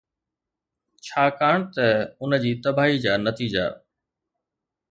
ڇاڪاڻ ته ان جي تباهي جا نتيجا